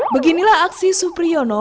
beginilah aksi supriyono